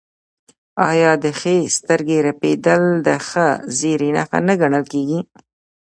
آیا د ښي سترګې رپیدل د ښه زیری نښه نه ګڼل کیږي؟